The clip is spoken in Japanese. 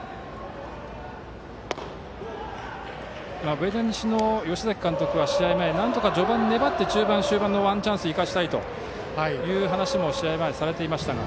上田西の吉崎監督は試合前、なんとか序盤は粘って中盤、終盤のワンチャンスを生かしたいという話もされていましたが。